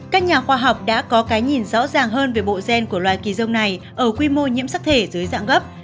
các nhà khoa học đã có cái nhìn rõ ràng hơn về bộ gen của loài kỳ giống này ở quy mô nhiễm sắc thể dưới dạng gấp